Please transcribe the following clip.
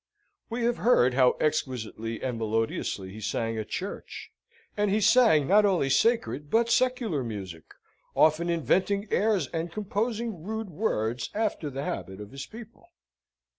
We have heard how exquisitely and melodiously he sang at church; and he sang not only sacred but secular music, often inventing airs and composing rude words after the habit of his people.